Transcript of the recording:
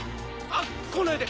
あっ。来ないで。